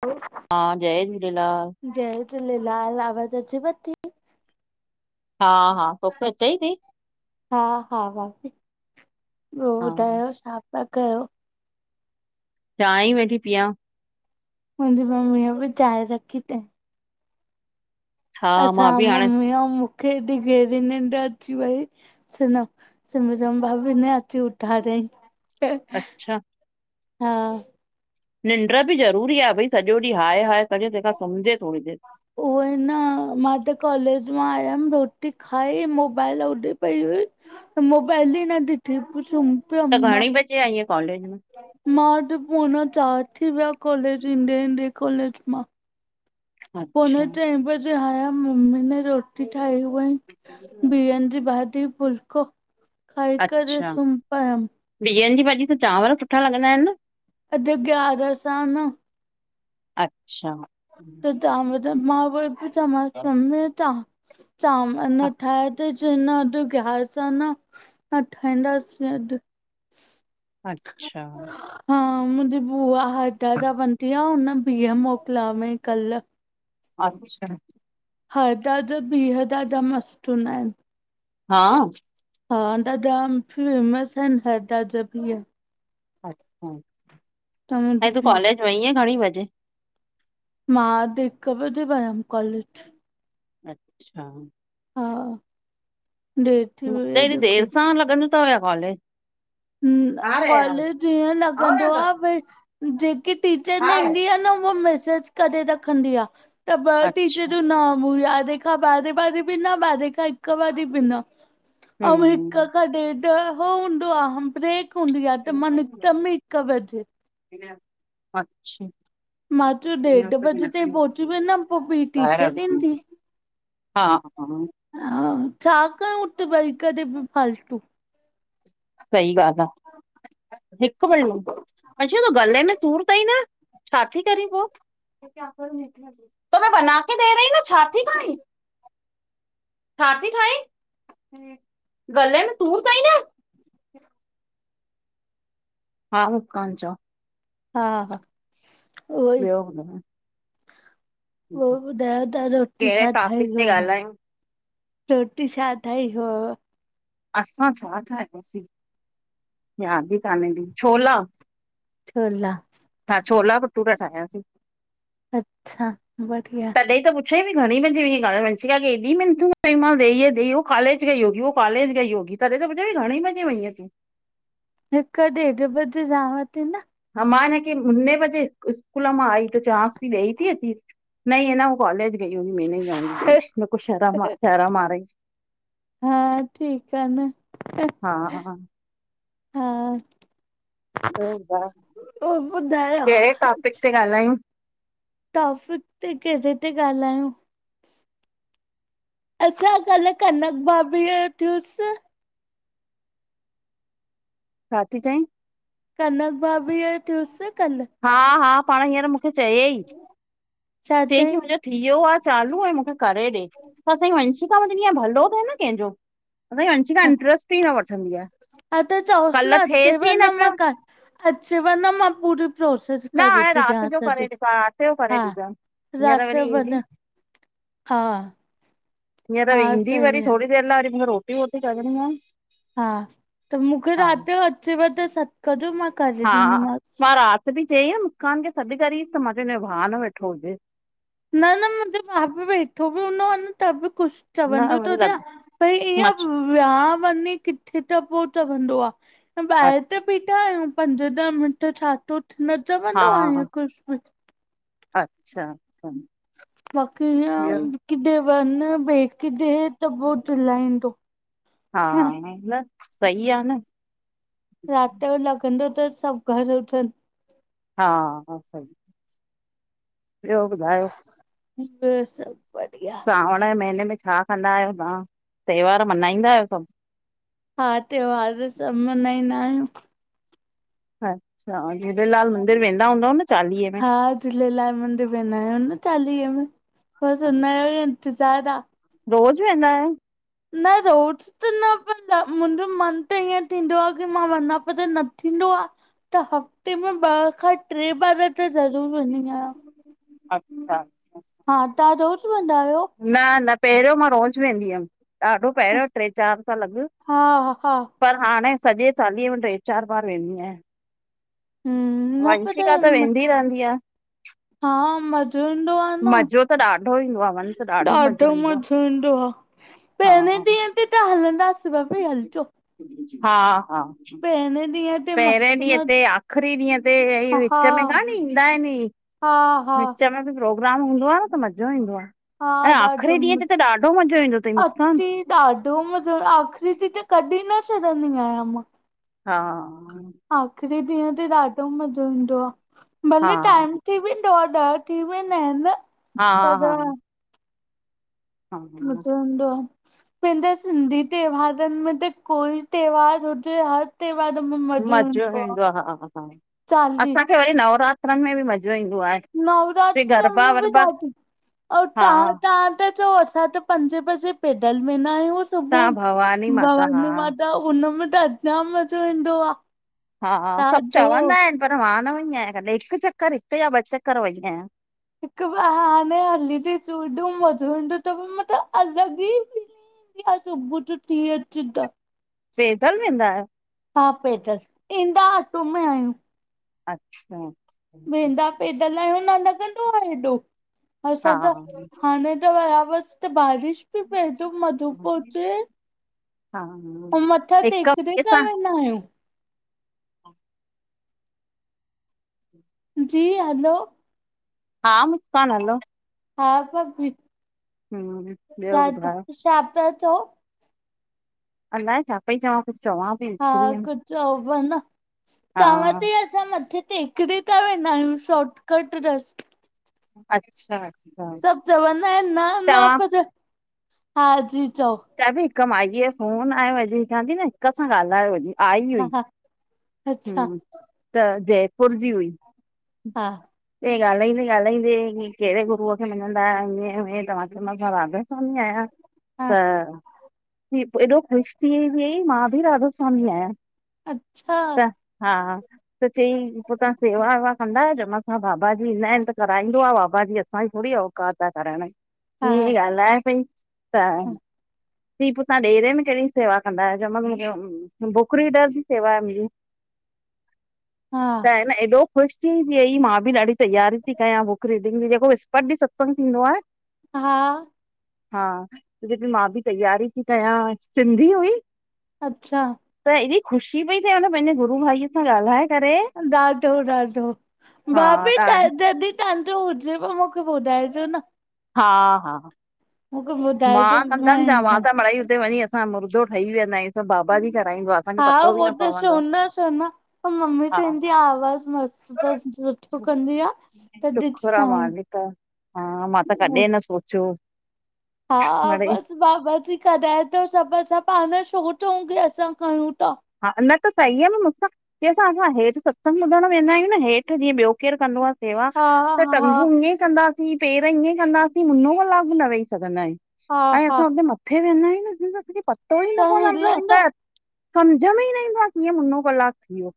ह [unintelligible] हा जय झूलेलाल। जय झूलेलाल आवाज़ अचेव ती? हा हा, तोखे अचई ती? हा हा भाभी, ॿियो हा ॿुधायो छा पिया कयो? चांहि ई वेठी पीयां। मुंजी मम्मीअ ॿि चाहिं रखी तईं। हा मां असां बि हाणे मम्मी अंउं मुखे ऐॾी गेहरी निंॾ अची वई सुनो सिमरन भाभी ने अची उठारयईं। अच्छा। हा। निंड्र ॿि ज़रूरी आ भई सॼो ॾींहुं हाय हाय कॼे तंहिंखां सुम्झजे थोड़ी देरि उहोई न हा मां त कॉलेज मां आयमि रोटी खाई मोबाइल होॾे पई हुई मोबाइल ई न ॾिठी पो सुम त घणें बॼे आईंय कॉलेज मां? मां अॼु पोड़ा चार थी विया कालेज ईंदे ईंदे कालेज मां। पोने अच्छा चईं बजे आयम मम्मी ने रोटी ठाही हुवंई ॿीहन ॼी भाॼी फ़ुलको खाई करे सुम पयं ॿीहनि जी भाॼीअ सां चांवर सुठा लॻंदा हिनि न? अॼु ग्यारस आ न अच्छा। त चांवर मां उहुवई पई चवांस पई मम्मी अॼु चां चांवर हा, न ठाहिया तई च्यंईं न अॾु ग्यारिस आ न न ठाइंदासी अॾु। अच्छा। हा मुंहिंजी बुआ हेॾ जा बंंदीया [unintelligible] हुन ॿीह मोकिलिया हुवईं कल। अच्छा। हा ॾाॾा ॿिह ॾाॾा मस्तु हुंदा इन। हा। हा ॾाॾा फेमस आहिनि हैदा जा ॿीह। अच्छा, त ऐं मुंहिंजी तूं बि कॉलेज वईंय घणीं वॼे? मां अॾु हिक बॼे वयमि कॉलेज अच्छा। हा। देर थी वई त आ हेॾी देर सां लॻंदो तव या कॉलेज? हम्म, कॉलेज ईअं और लॻंदो अंदर आ भई जेके टीचर न हाय ईंदी आ न उह मैसेज करे रखंदी आ त ॿ अच्छा टीचरू न हुया यारहें खां ॿारहें वारी बि न ॿारहें खां हिक वारी बि न। अऊं हिक हम्म खां ॾेढ हो हूंदो आ ब्रेक हूंदी आ त अच्छा मां निकतम ई हिक बजे। [inaudible] अच्छा। मां चयो ॾेढ [unintelligible] बजे ताईं पहुची वेंदमि पो ॿी ॿाहेरा टीचर [unintelligible] ईंदी हा हा हा। हां। छा कयूं उते वई करे बि फालतू। सही ॻाल आ। हिक मिंट अंशु तू गले में सुर तई न छा थी करी पो? क्योंकी आप और। [unintelligible] तो मे बनाके दे रही न छा थी खाई? छाती खाई? गले में सुर तई न। [inaudible] हा मुसकान चओ। हा हा उहो ई ॿियो ॿुधायो? ॿयो ॿुधायो ता रोटी कहिड़े छा ठाई टॉपिक ते हुयव? ॻाल्हायूं रोटी छा ठाई हुयव? असां छा ठाहियोसीं? याद ई काने। [unintelligible] छोला। छोला हा छोला भटूरा ठाहयासीं। अच्छा बड़िया। [unintelligible] बि घणी बजे वई आ [unintelligible] वंशिका खे हेॾी मिनतू कई मास [unintelligible] वो कॉलेज गई होगी वो कॉलेज गई होगी। तॾह त ॿुधाए घणे बजे वञय तूं? हिक ॾेढ बजे जांवा ती न। हा मां हीन खे मुने बजे हिक स्कूल मां आई त चवास पई ॾई ती अचिस? न‌ई हे न वो कॉलेज गई होगी में न‌ई जाऊंगी देने, मेको शरम आ शरम आरही हा ठीक आ न। हा हा हा। ॿयो ॿुधायो ॿियो ॿुधायो केड़े टॉपिक ते ॻाल्हायूं? टॉपिक ते केड़े ते ॻाल्हायूं? अच्छा कल कनक भाभीअ जो थियुस छा ती चईं? कनक भाभीअ ओ थियूस कल? हा हा पाण हींअर मूंखे चय‌ई छा च‌ई चई कि मुंजो थिवियो आ चालू ऐं मूंखे करे ॾे त असांजी वंशिका [unintelligible] भलो थिए न केंजो। असांजी वंशिका हा इंट्रस्ट ई न वठंदी आ हा त कल्ह थिएस ई न पयो। अच वन मां पूरी प्रोस न हाणे करेती राति ॾयास जो अज करे ॾिसां राति जो हा, करे ॾिसां हींअर रात वरी जो बि ईंदी न हा। हींअर हा वेंदी वरी सही आ थोरी देर लाए वरी मूंखे रोटी वोटी करणी आ। हा त मूंखे रात जो अचेव त सॾ कजो मां करे हा, ॾींदीमांसि मां रात बि चई मुस्कान खे सॾ करिस त मां चयो हिन जो भाव न वेठो हुजेस। न न मुंहिंजो भा बि वेठो बि हूंदो आ न त बि कुछ न चवंदो त वरी लॻ चेहा भई ईअ मछ वेया वञी किथे त पो चवंदो आ ॿाहेर त बीठा आहियूं पंज ॾह मिंट छा थो थे, न हा चवंदो आहे ईअं कुछ बि। अच्छा बाक़ीं इये ॿियो किथे वन बे किथे त पो चिलाईंदो हा, न - न सही आ न। रात जो लॻंदो तस सभ घरु हुजनि। हा हा सही, ॿियो ॿुधायो? ॿियो सभ बढ़िया। सावण जे महीने में छा कंदा आहियो तव्हां? त्योहार मल्हाईंदा आहियो सभ। हा त्योहार सभ सभु मनहाईंदा आहियूं। अच्छा, अउ झूलेलाल मंदिर वेंदा हूंदा न चालीहे में? झूँले लाल मन्दिर वेंदा आऊँ न चालीय में, बस उनहों जो ही इंतजार आहे। रोज़ वेंदा आयो? न रोज त नं मुंजो मन त ईअं थींदो आ की मां वञा, पर न थींदो आ। त हफ़्ते में ॿ खां ट्रे ॿार त ज़रूर वेंदी आहियां। अच्छा हा, तव्हां रोज वेंदा आहयो? न-न पहिरयों मां रोज़ वेंदी हुअम। ॾाढो पहिरयों ट्रे चार साल अॻ हा हा पर हाणे सॼे चालीहे में ट्रे चार, बार वेंदी आहियां। हम्म न पर वंशिका त वेंदी रहिंदी आ। हा म जो ईंदो आ न, मज़ो त ॾाढो ईंदो आहे वञ त ॾाढो ईंदो आहे मज़ो ईंदो आ। पहले हा ॾिय ते त हलदांस बभी हलजो। हा-हा पहिरें ॾींहं ते पहिरे मस्त ॾींहं मस्त ते आख़री ॾींहं ते हा हा विच में कान ईंदा आहिन ई। हा हा विच में बि प्रोग्राम हूंदो आ न त, मॼो ईंदो आ। ऐं ॾाढो आख़िरी ॾींहं ते मज़ो त ॾाढो मज़ो ईंदो तई मुस्कान। अती ॾाढो मज़ो, आख़री ॾीहं त कढी न छॾंदी आहियां मां। हा आख़री ॾींहं ते ॾाढो मज़ो ईंदो आ, हा भले टाइम ते बि डह थी वेंदा आहिन न हा-हा मॼो ईदों आ पैंजे सिंधी त्योहारन में त कोई त्योहार हुजे हर त्योहारन मे मॼो मज़ो ईदों आ, चाली मुखे वरी नवरात्रन में बि मॼो ईंदो आहे। बि नवरात्रन गरबा मे बि वरबा ॾाढो, अऊ हा तहां-तहां त चयो असा त पंजे बजे पैदल वेंदा आहियूं सुबुह, तव्हां भवानी माता हा भवानी माता उन में त जाम मॼो ईंदो आ हा, सब चवंदा आहिन पर मां न वई आहियां, कॾहिं हिक चक्कर या ॿ चक्कर वई आहियां। हिकु बहाने हली ॾीसो एड़ो मजो ईंदो त मतलबु अलॻ ई की अॼु सुबुह जो थिय अचज ऐं। पेदल वेंदा आ? हा पैदल, ईंदा आटो में आहियूं। अच्छा वेंदा पैदल आहियूँ न लॻंदो आहे एॾो, हा असां त हाणे त विया वसि त बारिश पी पए, एतिरो मजो पो अचे। हा हा। अऊ मथां टेक देता वेंदा आहियूं। जी हलो हा मुस्कान हलो। हा हम्म ॿियो ॿुधायो चाची छा पिया चओ? अलाए छा पई चवां कुझु चवां पई हा विसरी वियमि कुझु उओब न हा चवां त ई असां मथे टेकरी ता वेंदा आहियूं शॉटकट रस्ते अचछा- अच्छा। सभु चवंदा आहिनि न- न तव्हां पर हा जी चओ? चवां थी हिक माईअ जो फ़ोन आयो अॼु चवां थी न हिक सां ॻाल्हायो अॼु आई हा हुई। हा अच्छा हम त जयपुर जी हुई? हा। ईय ॻाल्हाईंदे -ॻाल्हाईंदे कहिड़े गुरूअ खे मञंदा आहियां तव्हांखे मां राधा स्वामी आहियां। हा त एॾो ख़ुश थीई मां बि राधा स्वामी आहियां। अच्छा। त हा। त चई पोइ तव्हां सेवा वेवा कंदायो बाबा जी ईंदा आहिनि त कराईंदो आहे बाबा जी। असांजी थोरी आ औक त आहे करण हा ई गाल आहे पई त थी पोइ तव्हां डेरे में कहिड़ी सेवा कंदा आहियो। चयो मांस मूंखे भुखरी डर जी सेवा मिली। हा त आहे न एॾो ख़ुश थी वई मां बि ॾाढी तैयारी थी कयां बुक रीडिंग जी जेको विस्पत ॾिय सत्संग थींदो आहे। हा। हा त चईपई मां बि तैयारी थी कयां सिंधी हुई? अच्छा। त हेएॾी ख़ुशी पई थिए हुन पंहिंजे गुरू भाईअ। सां ॻाल्हाए करे ॾाढो -ॾाढो हा भाभी क ॾाढी जॾ तव्हांजो हुजेव मूंखे ॿुधाइजो न। हा -हा मूंखे ॿुधाइजो मां कंदमि छा मां ईंदमि त मिड़ई हुते वनी हुयस अस मुर्दो ठही वेंदा आयूस। सभु बाबा जी कराईंदो आहे असांखे हा पतो बि उहो न त छो पवंदो आहे न छो न पर मम्मी हा। चवंदी आ आवाज़ मस्तु अथसि सुठो कंदी आ त शुखूर आहे ॾिसजांइ मालिका हा मां त कॾहिं न सोचो। हा बस बाबा जी कढाए थो सभु असां पाण छो चऊं की असां कयणु ता। हा न त सही आहे न मूंसा की असां असां हेठिसत्संग बुधणु वेंदा आहियूं न हेठि जीअं ॿियो कोय कंदो आहे। सेवा हा त हा टंगू ईअं कंदासीं पेर ईअं कंदासीं मुनो क लाॻ भी न वेही सघंदा आहियूं। हा ऐं हा असां हुते मथे वेंदा आहियूं न तो असंपतो ई त नपवंदो हिलन [unintelligible] सम्झ में ई न ईंदो आहे कीअं मुनो कलाकु थी वियो।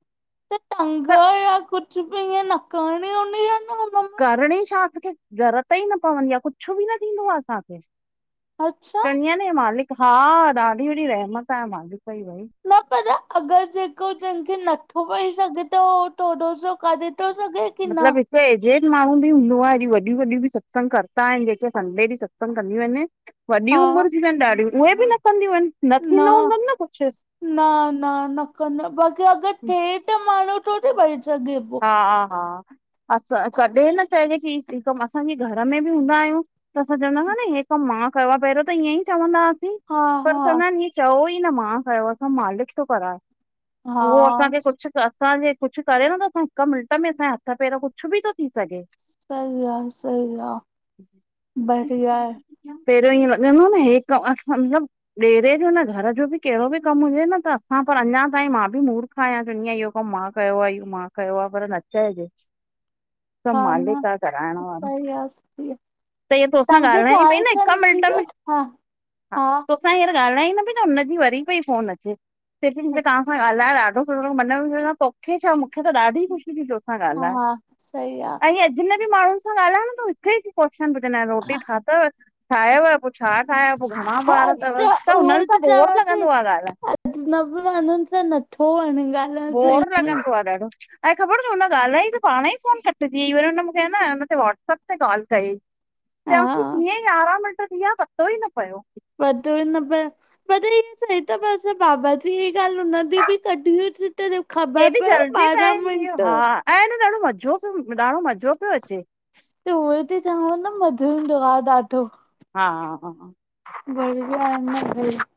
टंग त या कुझ बि इं नक नी ही आहे न म [unintelligible] करणी छा असांखे, जरत ई न पवंदी आहे कुझु बि न थींदो आहे असांखे। अच्छा चंदिया न मालिक, हा ॾाढी वॾी रहमत आहे मालिकई भई न पर अगरि जेको जंहिंखे नथो पई सघे त उह थोरो सो काढ थो सघे [unintelligible] मतलब एजेड माण्हू बि हूंदो आ। हेॾी वॾियूं -वॾियूं बि सत्संग कंदा आहिनि। जेके संडे ॾींहुं सत्संग कंदियूं आहिनि वॾी हा उमिरि जी आहिनि ॾाढियूं, उहे बि न कंदियूं आहिनि, न थींदो हूंदोनि न कुझु न, न, न कंदो बाक़ी अगरि थिए त माण्हू थोडी वई सघे पो हा- हा असां कॾहिं न चजे की असांजे घर में बि हूंदा आहियूं त असां चवंदाा नी हे कमु मां कयो आ पहिरं त ईअं ई चवंदा हुआसीं, हा पर हा चवंदा चयोओ ई न मां कयो आ, मालिक थो कराए। हा उहो असांखे कुझु त असां जे कुझु करे न त असां हिक मिंट में असांजे हथ पहिरियों कुझु बि थो थी सघे सही आ, सही आ बढ़िया हे पहिरों ईअं लॻंदो न हे कम आसान ॾेरे जो न घर जो बि कहिड़ो बि कम हुजे न त असां पर अञा ताइ मा बि मूड़ हा मा चवंदी आया, इहो कम मा कयो आहे, इहो मा कयो आहे, पर न चइजे। सभ हा न मालिक आ कराइण वारो। सही आ सही आ त इहा तोसां तव्हांखे ॻाल्हाय पई साल न हिक खन थी मिंट वियो में, हा हा मा हिअर ॻाल्हाई पई न हुनजी वरी पई फोन अचे। चय पयी मुखे तासां ॻाल्हाॾैं ॾाढो सुठो। मन में सोचा तोखे छा? मूंखे त ॾाढी ख़ुशी थी तोसां ता ॻाल्हाएयो, हा सही आ ऐं हिअ अजनबि माण्हुन सां ॻाल्हाइयो न त वो हिक ई हिक ही सवाल पुछंदा आहिन रोटी ठातव? ठाहियव, पोइ छा ठायव? पो घणा ॿार हा अथव? त उहो हुननि ई सां बोर चवां थी लॻंदो आहे ॻाल्हाय न पो हुनन सां नथो वणे ॻाल्हाइण सही बोर में लगंदो आहे ॾाढो ऐं ख़बर तव हुन ॻाल्हाई त पाण ही फोन कटिजी वई, वरी हुन मूखे आहे न ते व्हाट्सअप ते कॉल कई। चवांस्ती हा कीअं यारहं मिंनट थीया पतो ही न पयो। पतो ही न पयो। प इ सई त बस बाबा जी इ गाल उ जी बि कढी हुई। त -त केॾी ख़बर पियो जल्दी ॿारहां टाइम थी वियो मिंट हा ऐं न ॾाढो मज़ो पियो, ॾाढो मज़ो पियो अचे त उह त चवां न, मज़ो ईंदो आहे ॾाढो। हा- हा, हा- हा व व आहे न [inaudible]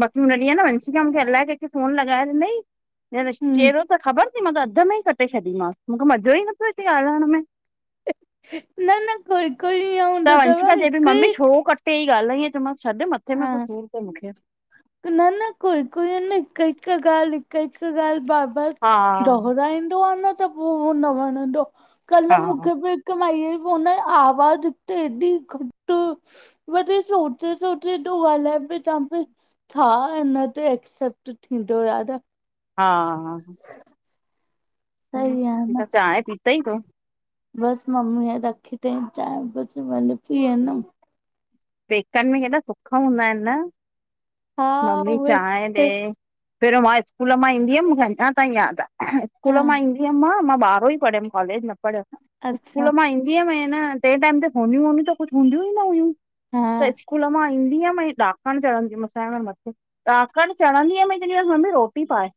बाक़ी हुन ॾींहुं आहे न वंशिका मूंखे अलाए कंहिंखे फ़ोन लॻाए ॾिनई, हम्म चेरो त ख़बर थी मां त अध में ई कटे छॾी मासि। मूंखे मज़ो ई न पयो अचे ॻाल्हाइण में। न -न कोइ त वंशिका चए पई मम्मी छो कटे ई? ॻाल्हाईं मां छॾ मथे में हा पोइ सूर आ मूंखे न -न कोई -कोई न हिकु- हिकु ॻाल्हि, हिकु -हिकु ॻाल्हि बार-बार हा दोराईंदो आहे न त पोइ उ न वणंदो, कल्ह हा मूंखे बि हिक माई जी फोन आवाज़ त एॾी घट वती सोचे -सचे हेॾो ॻाल्हाए पिई तवांखे छा हिन ते एक्सेप्ट थींदो। हा -हा, ह सही आहे न। चांहि पीतई तूं बस मम्मी रखी तई चांहि बस वञी पीअंदम। पेकनि में केॾा सुख हूंदा आहिनि न, हा मम्मी उहे चांहि ॾे। पहिरों मां स्कूल मां ईंदी हुयमि मूंखे अञा ताईं यादि आ, हा स्कूल मां ईंदी हुयमि मां, मां ॿारो ई पढ़ियमि कॉलेज न पढ़ियो, अच्छा स्कूल मां ईंदी हुयमि ऐं न टे टाइम ते फ़ोनयूं वोनयूं त कुछ हूंदियूं ई न हुयूं। हा त स्कूल मां ईंदी हुअमि, ऐं ॾाकण चढ़ंदी हुमि, असांजे घर मथे ॾाकण चढ़ंदी हम ऐं चंहिंदीमांसि मम्मी रोटी पाए,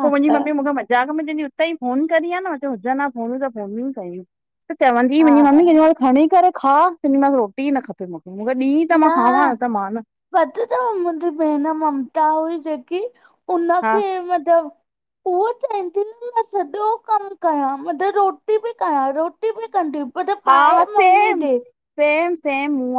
हा पो मुंहिंजी हा मम्मी मूंखे मजाक में चेंदी हुई उते ई फोन करीं आ न, मां चयो हुजनि हां फ़ोनयूं त फ़ोन ई कयूं। त चवंदी हुई मुंहिंजी हा मम्मी केॾी महिल खणी करे खा, चवंदीमांसि रोटी ई न खपे मूंखे मूंखे ॾींं त न मां खावां, न त मां न पतो तव मुंहिंजी भेण ममता हुई जेकी, हा उनखे मतिलबु उह उ चवंदी मां सॼो कमु कयां, मतलब रोटी बि कयां, रोटी बि कंदी मतलब पाए हा मम्मी सेम ॾे। सेम -सेम म